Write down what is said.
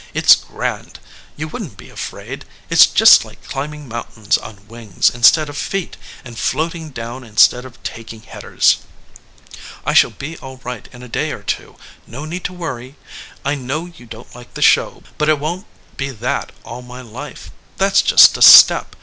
It s grand. You wouldn t be afraid. It s just like climbing mountains on wings instead of feet, and floating down instead of taking headers. I shall be all right in a day or two no need to worry. I know you don t like the show, but it won t be that all my life. That s just a step.